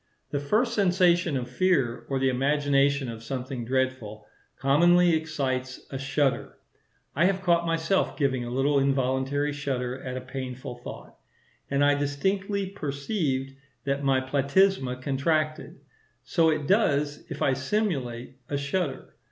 The first sensation of fear, or the imagination of something dreadful, commonly excites a shudder. I have caught myself giving a little involuntary shudder at a painful thought, and I distinctly perceived that my platysma contracted; so it does if I simulate a shudder.